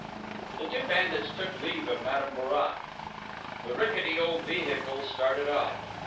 The two bandits took leave of Madame Bourrat. The rickety old vehicle started off.